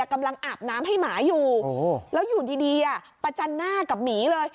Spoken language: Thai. กำลังอาบน้ำให้หมาอยู่แล้วอยู่ดีประจันหน้ากับหมีเลย